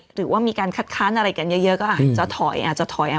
หรือว่ามีการคัดค้านอะไรกันเยอะก็อาจจะถอยอาจจะถอย